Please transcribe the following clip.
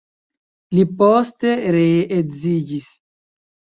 Li poste ree edziĝis.